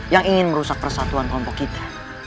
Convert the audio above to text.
yang ingin merusak persatuan kelompok kita